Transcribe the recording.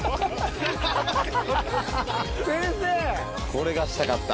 これがしたかった。